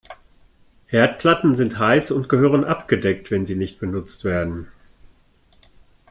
Herdplatten sind heiß und gehören abgedeckt, wenn sie nicht benutzt werden.